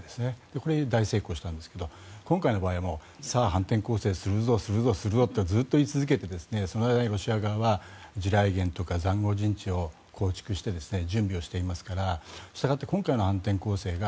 これ、大成功したんですが今回の場合もさあ、反転攻勢するぞとずっと言い続けてその間にロシア側は地雷原とか塹壕陣地を構築して準備をしていますからしたがって今回の反転攻勢が